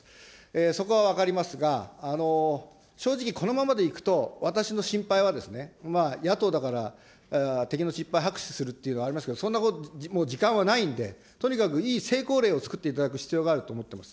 そこは分かりますが、正直、このままでいくと、私の心配はですね、野党だから敵の失敗、拍手するっていうの、ありますけど、そんなこと、時間はもうないんで、とにかくいい成功例をつくっていただく必要があると思ってます。